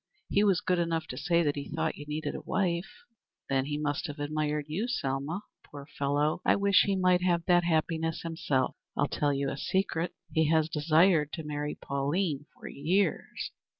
He was good enough to say that he thought you needed a wife." "Then he must have admired you, Selma. Poor fellow! I wish he might have that happiness himself. I'll tell you a secret: He has desired to marry Pauline for years.